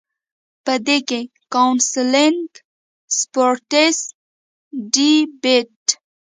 پۀ دې کښې کاونسلنګ ، سپورټس ، ډيبېټ ،